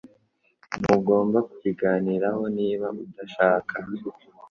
Ntugomba kubiganiraho niba udashaka